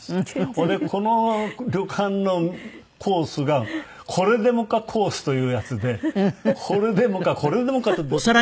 それでこの旅館のコースがこれでもかコースというやつでこれでもかこれでもかと出てきて。